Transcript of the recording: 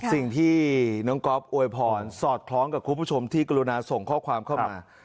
สิ่งที่น้องก๊อฟอวยพรสอดคล้องกับคุณผู้ชมที่กรุณาส่งข้อความเข้ามา